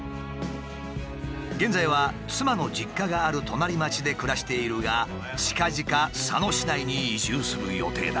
現在は妻の実家がある隣町で暮らしているがちかぢか佐野市内に移住する予定だ。